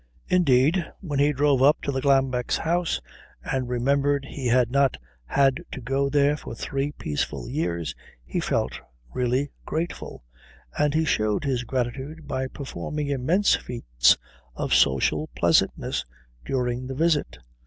Indeed, when he drove up to the Glambecks' house and remembered he had not had to go there for three peaceful years he felt really grateful, and he showed his gratitude by performing immense feats of social pleasantness during the visit.